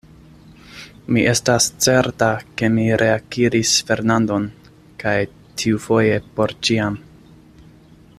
Mi estas certa, ke mi reakiris Fernandon, kaj tiufoje por ĉiam.